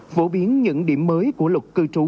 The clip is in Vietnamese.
phổ biến những điểm mới của luật cư trú